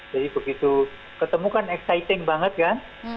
jadi begitu ketemu kan exciting banget kan